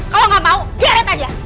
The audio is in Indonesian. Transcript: kalau gak mau geret aja